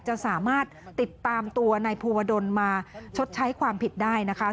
จะสามารถติดตามตัวนายภูวดลมาชดใช้ความผิดได้นะคะ